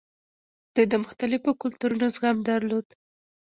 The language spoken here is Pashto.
دوی د مختلفو کلتورونو زغم درلود